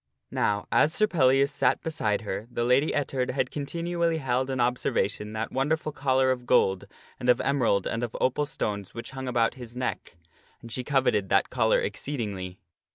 Now as Sir Pellias sat beside her, the Lady Ettard had continually held in observation that wonderful collar of gold and of emerald and of opal PELLIAS REMOVES HIS NECKLACE 233 stones which hung about his neck ; and she coveted that collar exceed ingly.